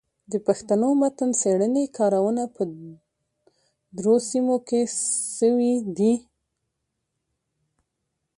د پښتو متن څېړني کارونه په درو سيمو کي سوي دي.